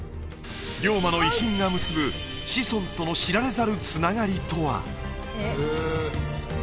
龍馬の遺品が結ぶ子孫との知られざるつながりとは？